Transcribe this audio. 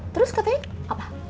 terus katanya apa